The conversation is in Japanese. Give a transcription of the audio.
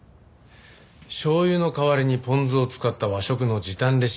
しょう油の代わりにポン酢を使った和食の時短レシピ。